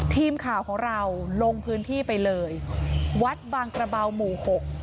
ทีมข่าวของเราลงพื้นที่ไปเลยวัดบางกระเบาหมู่หก